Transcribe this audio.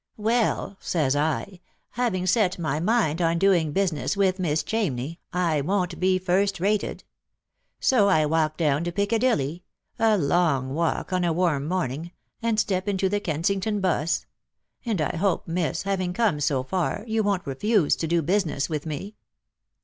' Well,' says I, ' having set my mind on doing business with Miss Chamney, I won't be first rated.' So I walk down to Piccadilly — a long walk on a warm morning — and step into the Kensington 'bus ; and I hope, miss, having come so far, you won't refuse to do business with me."